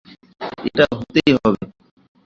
এটা হতেই হবে।